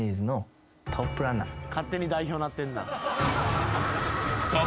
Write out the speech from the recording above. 勝手に代表になってんな。